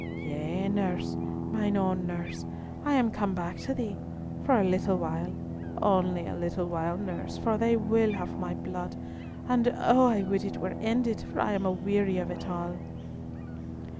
"Yea, nurse, mine own nurse, I am come back to thee; for a little while—only a little while, nurse, for they will have my blood, and oh! I would it were ended, for I am aweary of it all."